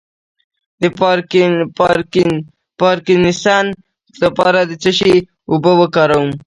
د پارکینسن لپاره د څه شي اوبه وکاروم؟